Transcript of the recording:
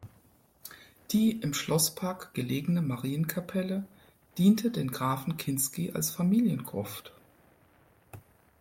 Die im Schlosspark gelegene "Marienkapelle" diente den Grafen Kinsky als Familiengruft.